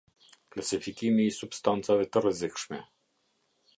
Klasifikimi i substancave të rrezikshme.